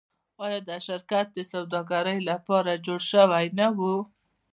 آیا دا شرکت د سوداګرۍ لپاره جوړ شوی نه و؟